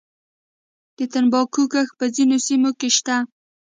د تنباکو کښت په ځینو سیمو کې شته